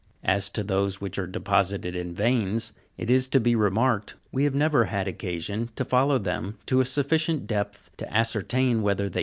As to those which are deposited in veins, it is to be remarked, we have never had occasion to follow them to a sufficient depth to ascertain whether they ter 21.